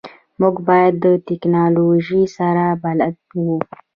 موږ باید د تکنالوژی سره بلد وو